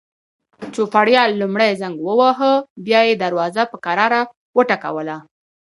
چوپړوال لومړی زنګ وواهه، بیا یې دروازه په کراره وټکوله.